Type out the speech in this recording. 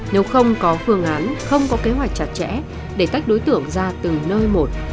nếu không có phương án không có kế hoạch chặt chẽ để tách đối tượng ra từng nơi một